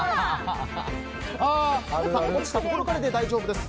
落ちたところからで大丈夫です。